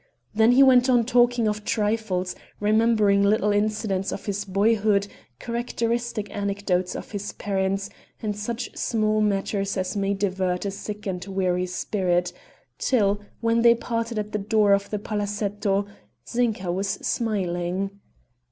Then he went on talking of trifles, remembering little incidents of his boyhood, characteristic anecdotes of his parents, and such small matters as may divert a sick and weary spirit, till, when they parted at the door of the palazetto, Zinka was smiling.